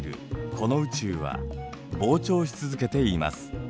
この宇宙は膨張し続けています。